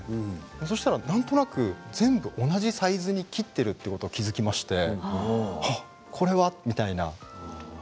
そしたらなんとなく全部同じサイズに切っているということに気付きましてああ、これはみたいな。